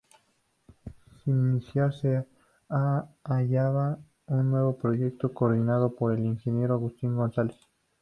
Sin iniciar se hallaba un nuevo proyecto coordinado por el ingeniero Agustín González.